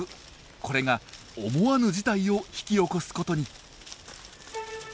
これが思わぬ事態を引き起こすことに。